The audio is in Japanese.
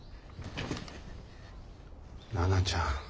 奈々ちゃん。